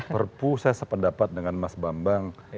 perpu saya sependapat dengan mas bambang